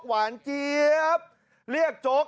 หวานเจี๊ยบเรียกโจ๊ก